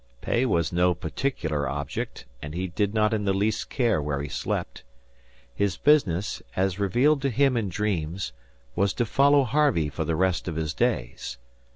Pay was no particular object, and he did not in the least care where he slept. His business, as revealed to him in dreams, was to follow Harvey for the rest of his days.